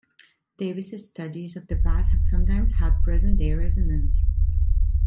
Davis's studies of the past have sometimes had present-day resonance.